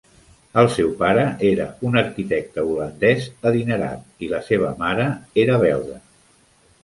El seu pare era un arquitecte holandès adinerat, i la seva mare era belga.